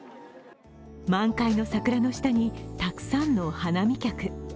満開の桜の下にたくさんの花見客。